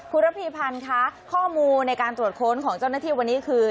คุณระพีพันธ์คะข้อมูลในการตรวจค้นของเจ้าหน้าที่วันนี้คือ